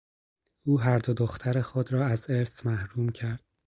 او هر دو دختر خود را از ارث محروم کرد.